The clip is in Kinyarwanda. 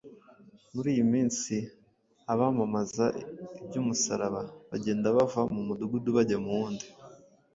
Muri iyi minsi abamamaza iby’umusaraba bagenda bava mu mudugudu bajya mu wundi,